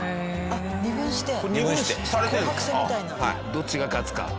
どっちが勝つか。